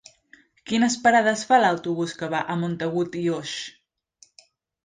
Quines parades fa l'autobús que va a Montagut i Oix?